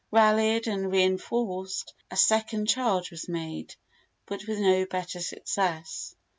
Rallied and reinforced, a second charge was made, but with no better success.